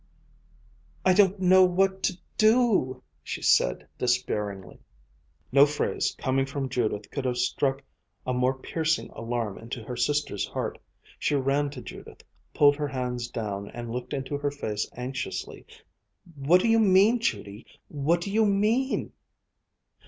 "I don't know what to do!" she said despairingly. No phrase coming from Judith could have struck a more piercing alarm into her sister's heart. She ran to Judith, pulled her hands down, and looked into her face anxiously. "What do you mean, Judy what do you mean?"